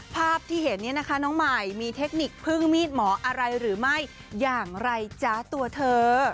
ภาพที่เห็นเนี่ยนะคะน้องใหม่มีเทคนิคพึ่งมีดหมออะไรหรือไม่อย่างไรจ๊ะตัวเธอ